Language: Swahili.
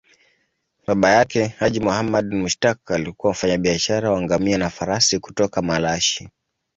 Baba yake, Haji Muhammad Mushtaq, alikuwa mfanyabiashara wa ngamia na farasi kutoka Malashi.